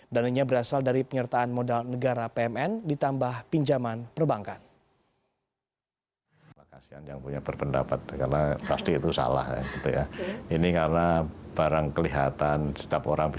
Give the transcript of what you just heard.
dan ini berasal dari penyertaan modal negara pmn ditambah pinjaman perbankan